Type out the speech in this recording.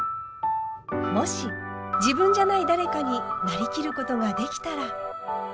もし自分じゃない誰かになりきることができたら。